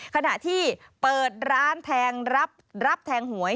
ขณะที่เปิดร้านแทงรับแทงหวย